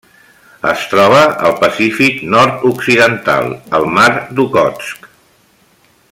Es troba al Pacífic nord-occidental: el Mar d'Okhotsk.